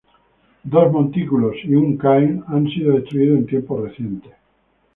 Dos montículos y un cairn han sido destruidos en tiempos recientes.